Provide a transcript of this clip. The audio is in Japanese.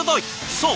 そう！